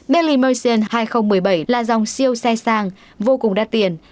bentley merchant hai nghìn một mươi bảy là dòng siêu xe sang vô cùng đắt tiền